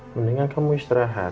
mendingan kamu istirahat